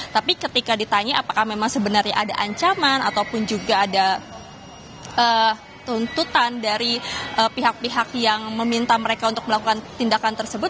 tapi ketika ditanya apakah memang sebenarnya ada ancaman ataupun juga ada tuntutan dari pihak pihak yang meminta mereka untuk melakukan tindakan tersebut